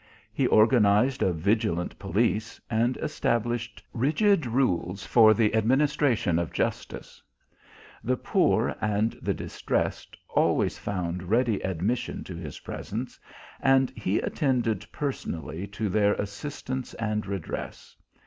He organized a vigilant police, and established rigid rules for the administration of justice. The poor and the distressed always found ready admission to his presence, and he attended personally to their assistance and redress.